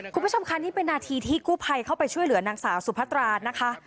คุณผู้ชมค่ะนี่เป็นนาทีที่กู้ภัยเข้าไปช่วยเหลือนางสาวสุพัตรานะคะ